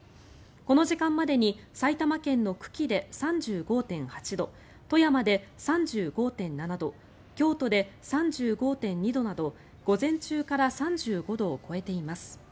この時間までに埼玉県の久喜で３５．８度富山で３５．７度京都で３５．２度など午前中から３５度を超えています。